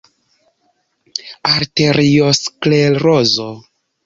Arteriosklerozo.